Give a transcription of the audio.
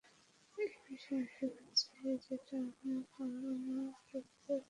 এমন বিষয়ে আশীর্বাদ চেয়েছ যেটা আমি পারব না করতে, করবও না।